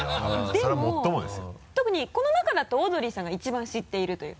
でも特にこの中だとオードリーさんが一番知っているという。